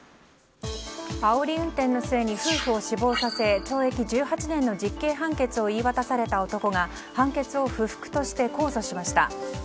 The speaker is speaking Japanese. あおり運転の末に夫婦を死亡させ懲役１８年の実刑判決を言い渡された男が判決を不服として控訴しました。